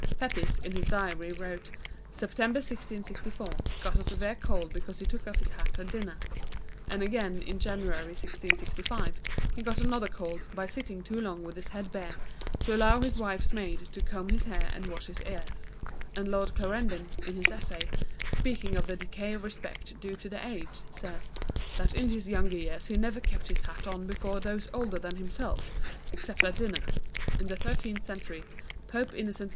Pepys, in his diary, wrote: "September, 1664, got a severe cold because he took off his hat at dinner;" and again, in January, 1665, he got another cold by sitting too long with his head bare, to allow his wife's maid to comb his hair and wash his ears; and Lord Clarendon, in his essay, speaking of the decay of respect due the aged, says "that in his younger days he never kept his hat on before those older than himself, except at dinner." In the thirteenth century Pope Innocent IV.